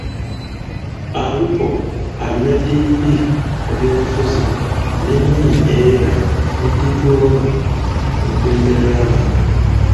Alupo alina diguli mu byobufuzi n’ennimi era ne dipulooma mu nkulembera y’abantu.